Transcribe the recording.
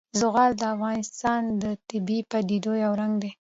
زغال د افغانستان د طبیعي پدیدو یو رنګ دی.